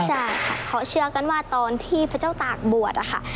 ใช่ค่ะเขาเชื่อกันว่าตอนที่พระเจ้าตากบวชค่ะ